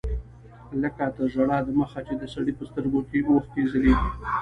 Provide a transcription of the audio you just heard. لکه تر ژړا د مخه چې د سړي په سترګو کښې اوښکې ځلېږي.